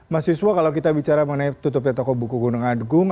mas yuswo kalau kita bicara mengenai tutupnya toko buku gunung agung